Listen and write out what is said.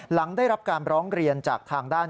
หลังได้รับการร้องเรียนจากทางด้าน